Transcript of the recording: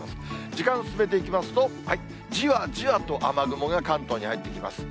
時間進めていきますと、じわじわと雨雲が関東に入ってきます。